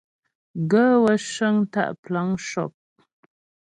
Gaə̂ wə́ cə́ŋ tá' plan shɔ́p.